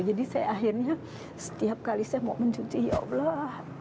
jadi saya akhirnya setiap kali saya mau mencuci ya allah